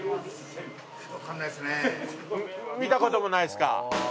見た事もないですか？